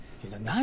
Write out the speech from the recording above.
何？